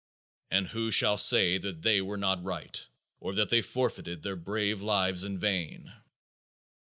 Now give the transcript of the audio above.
And who shall say that they were not right; or that they forfeited their brave lives in vain?